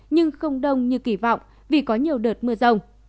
nhưng không đông như kỳ vọng vì có nhiều đợt mưa rồng